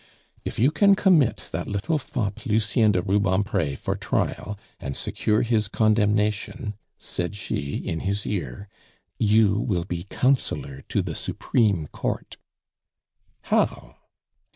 "If you can commit that little fop Lucien de Rubempre for trial, and secure his condemnation," said she in his ear, "you will be Councillor to the Supreme Court " "How?"